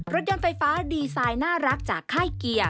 รถยนต์ไฟฟ้าดีไซน์น่ารักจากค่ายเกียร์